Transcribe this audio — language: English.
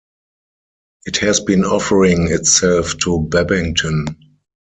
It has been offering itself to Babbington.